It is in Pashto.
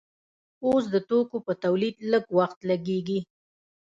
اوس د توکو په تولید لږ وخت لګیږي.